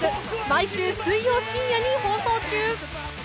毎週水曜深夜に放送中